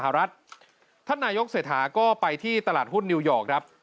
ท่านนายกเสร็จฐานยกเสร็จฐานก็ไปที่ตลาดหุ้นนิวยอร์ก